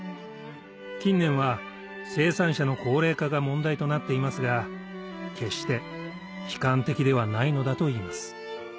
近年は生産者の高齢化が問題となっていますが決して悲観的ではないのだといいます